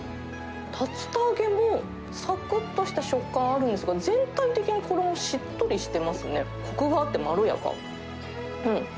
竜田揚げもさくっとした食感あるんですが、全体的に衣、しっとりしてますね。こくがあってまろやか。